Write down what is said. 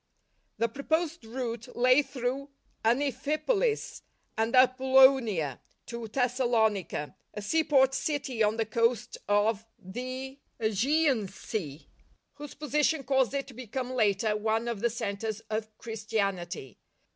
The proposed route lay through Aniphipolis and Apollonia to Thessalonica, a seaport city on the coast of the .®gean Sea, whose position caused it to become later one of the centres of Christianity.